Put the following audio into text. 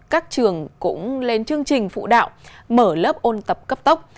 các trường cũng lên chương trình phụ đạo mở lớp ôn tập cấp tốc